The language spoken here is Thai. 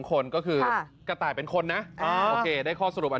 มันพูดแบบนี้ครับ